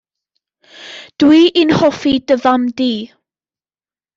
Dw i'n hoffi dy fam di.